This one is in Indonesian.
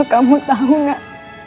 asal kamu tahu gak